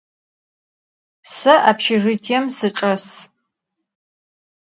Cı vobşêjjitiêm sıçç'es.